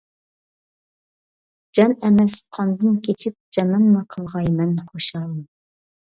جان ئەمەس، قاندىن كېچىپ جاناننى قىلغايمەن خۇشال.